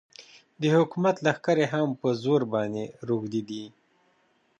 د حکومت لښکرې هم په زرو باندې روږدې دي.